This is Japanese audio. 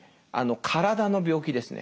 体の病気ですね。